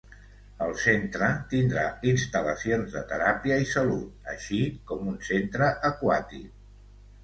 El centre tindrà instal·lacions de teràpia i salut, així com un centre aquàtic.